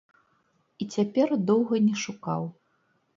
І цяпер доўга не шукаў.